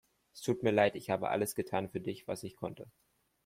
Es tut mir leid, ich habe alles getan für dich was ich konnte.